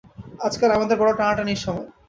আজকাল আমাদের বড়ো টানাটানির সময়।